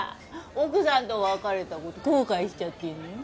奥さんと別れた事後悔しちゃってるの？